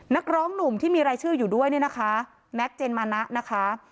นักร้องหนุ่มที่มีรายชื่ออยู่ด้วยเนี่ยนะคะแม็กซเจนมานะนะคะ